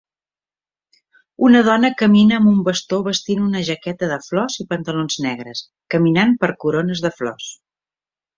Una dona camina amb un bastó vestint una jaqueta de flors i pantalons negres, caminant per corones de flors.